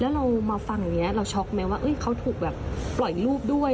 แล้วเรามาฟังอย่างนี้เราช็อกไหมว่าเขาถูกแบบปล่อยรูปด้วย